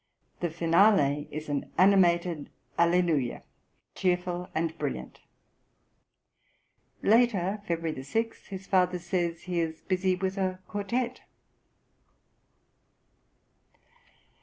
The finale is an animated "Alleluia," cheerful and brilliant. Later (February 6) his father says he is busy with a quartet.